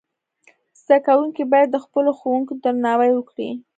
زدهکوونکي باید د خپلو ښوونکو درناوی وکړي.